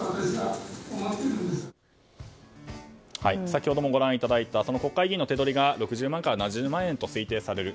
先ほどもご覧いただいた国会議員の手取りが６０万から７０万円と推定される。